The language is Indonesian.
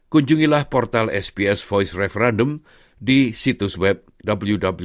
hajilah pulyselektronik usut dan informasi kini di situs web www smmaai lla